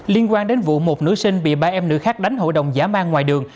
liên quan đến vụ một nữ sinh bị ba em nữ khác đánh hội đồng giả mang ngoài đường